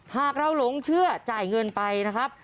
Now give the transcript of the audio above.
หากเราหลงเชื่อจ่ายเงินไปนะครับ